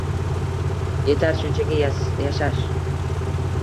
Yetar shunchaki yashash.